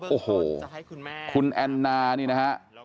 โอ้โหคุณแอนนานี่นะฮะ